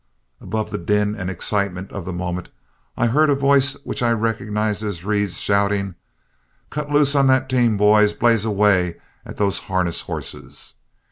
Above the din and excitement of the moment, I heard a voice which I recognized as Reed's, shouting, "Cut loose on that team, boys! blaze away at those harness horses!"